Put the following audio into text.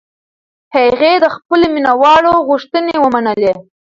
هغې د خپلو مینهوالو غوښتنې ومنلې.